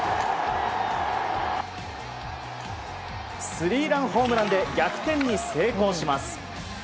スリーランホームランで逆転に成功します。